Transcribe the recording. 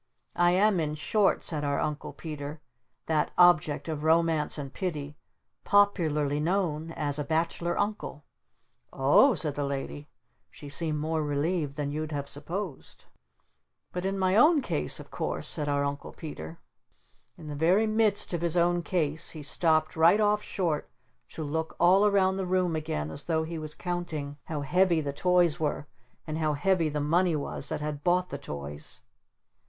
"I am in short," said our Uncle Peter, "that object of Romance and Pity popularly known as a 'Bachelor Uncle.'" "O h," said the Lady. She seemed more relieved than you'd have supposed. "But in my own case, of course " said our Uncle Peter. In the very midst of his own case he stopped right off short to look all around the room again as though he was counting how heavy the toys were and how heavy the money was that had bought the toys.